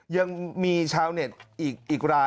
ยังมีชาวเน็ตอีกราย